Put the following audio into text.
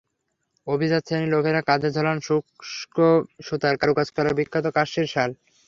অভিজাত শ্রেণির লোকেরা কাঁধে ঝোলান সূক্ষ্ম সুতার কারুকাজ করা বিখ্যাত কাশ্মিরী শাল।